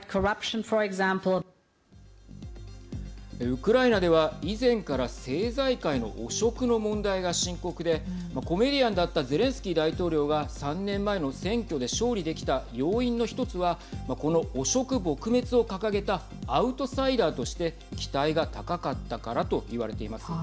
ウクライナでは以前から政財界の汚職の問題が深刻でコメディアンだったゼレンスキー大統領は３年前の選挙で勝利できた要因の１つはこの汚職撲滅を掲げたアウトサイダーとして期待が高かったからといわれています。